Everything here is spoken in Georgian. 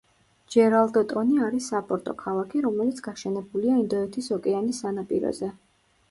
ჯერალდტონი არის საპორტო ქალაქი, რომელიც გაშენებულია ინდოეთის ოკეანის სანაპიროზე.